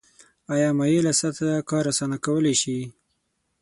آیا مایله سطحه کار اسانه کولی شي؟